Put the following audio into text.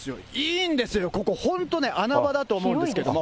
いいんですよ、ここ、本当ね、穴場だと思うんですけど。